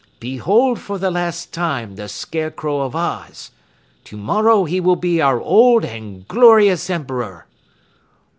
Behold for the last the Scarecrow of Oz. Tomorrow he will be our old and glorious Emperor!"